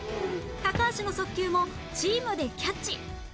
高橋の速球もチームでキャッチ